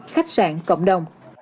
khách sạn cộng đồng